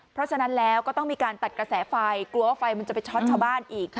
เพราะฉะนั้นแล้วก็ต้องมีการตัดกระแสไฟกลัวว่าไฟมันจะไปช็อตชาวบ้านอีก